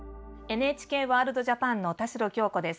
「ＮＨＫワールドＪＡＰＡＮ」の田代杏子です。